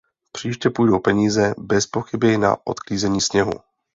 Příště půjdou peníze bezpochyby na odklízení sněhu.